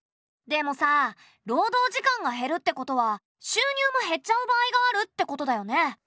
でもさ労働時間が減るってことは収入も減っちゃう場合があるってことだよね。